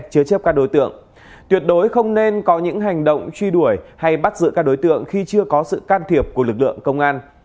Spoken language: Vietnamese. chế chấp các đối tượng tuyệt đối không nên có những hành động truy đuổi hay bắt giữ các đối tượng khi chưa có sự can thiệp của lực lượng công an